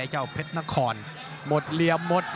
แล้วก็หมดแรงก็หมดแรงก็หมดเหลี่ยมทุกอย่างเลย